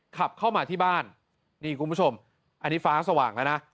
ขับเข้ามาที่บ้านนี่คุณผู้ชมอันนี้ฟ้าสว่างแล้วนะ